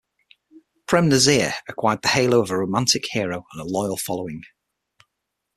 Prem Nazir acquired the halo of a romantic hero and a loyal following.